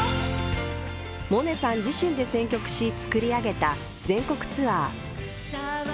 萌音さん自身で選曲し、作り上げた全国ツアー。